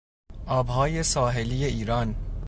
آبهای ساحلی ایران